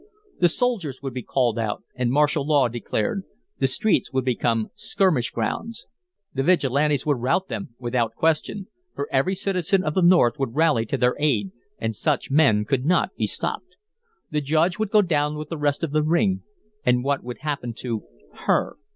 The soldiers would be called out and martial law declared, the streets would become skirmish grounds. The Vigilantes would rout them without question, for every citizen of the North would rally to their aid, and such men could not be stopped. The Judge would go down with the rest of the ring, and what would happen to her?